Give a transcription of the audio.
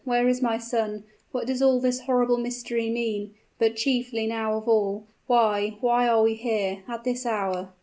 where is my son? what does all this horrible mystery mean? But, chiefly now of all why, why are we here at this hour?"